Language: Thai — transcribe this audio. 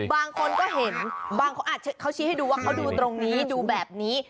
บางคนก็เห็นบางคนเขาชี้ให้ดูว่าเขาดูตรงนี้ดูแบบนี้